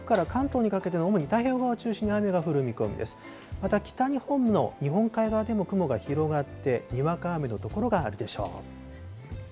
また北日本の日本海側でも雲が広がって、にわか雨の所があるでしょう。